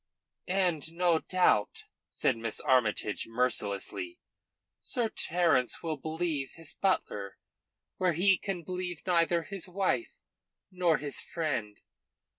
"And no doubt," said Miss Armytage mercilessly, "Sir Terence will believe his butler where he can believe neither his wife nor his friend."